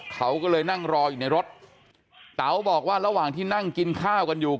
เขาก็เลยนั่งรออยู่ในรถเต๋าบอกว่าระหว่างที่นั่งกินข้าวกันอยู่